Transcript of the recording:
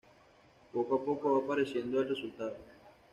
Poco a poco va apareciendo el resultado.